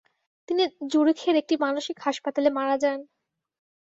তিনি জুরিখের একটি মানসিক হাসপাতালে মারা যান।